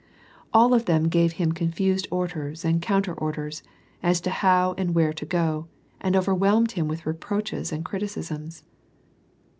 All of them gave him confused orders and counter orders, as to how and where to go, and overwhelmed him with reproaches and criticisms.